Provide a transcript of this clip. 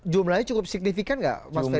jumlahnya cukup signifikan nggak mas ferry dan prof